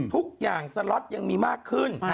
ทุกอย่างสล็อตยังมีมากขึ้น